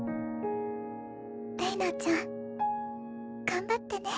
れいなちゃん頑張ってね。